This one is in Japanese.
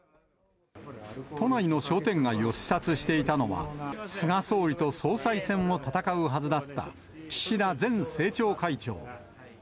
都内の商店街を視察していたのは、菅総理と総裁選を戦うはずだった岸田前政調会長。